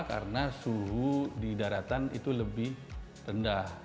karena suhu di daratan itu lebih rendah